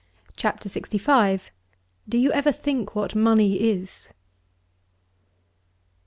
CHAPTER LXV "Do You Ever Think What Money Is?"